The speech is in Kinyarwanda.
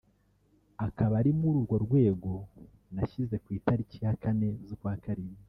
Akaba ari muri urwo rwego nayishyize ku itariki ya kane z’ukwarindwi